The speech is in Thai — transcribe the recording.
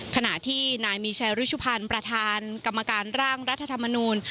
ขณะที่นายมีชัยรุชุพันธ์ประธานกรรมการร่างรัฐธรรมนูล